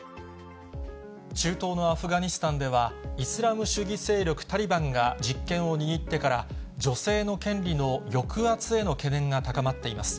中東のアフガニスタンでは、イスラム主義勢力タリバンが実権を握ってから、女性の権利の抑圧への懸念が高まっています。